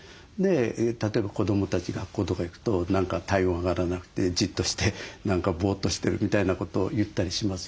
例えば子どもたち学校とか行くと何か体温上がらなくてじっとして何かボーッとしてるみたいなことを言ったりしますよね。